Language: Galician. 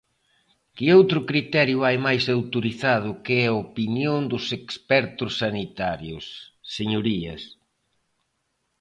¿Que outro criterio hai máis autorizado que a opinión dos expertos sanitarios, señorías?